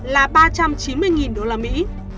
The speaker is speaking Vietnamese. là ba trăm chín mươi đô la mỹ